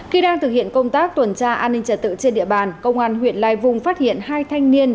khi đang thực hiện công tác tuần tra an ninh trật tự trên địa bàn công an huyện lai vung phát hiện hai thanh niên